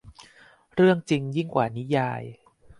เรื่องจริงยิ่งกว่านิยาย